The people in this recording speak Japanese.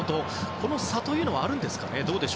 この差というのはあるんですかね？